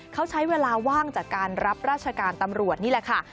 เขาใช้เวลาว่างจากการรับราชการตำรวจนี่แหละค่ะ